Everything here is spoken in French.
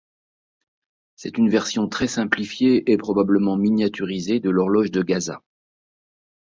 C'est une version très simplifiée et probablement miniaturisée de l'horloge de Gaza.